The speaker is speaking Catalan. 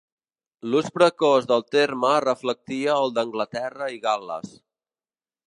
L'ús precoç del terme reflectia el d'Anglaterra i Gal·les.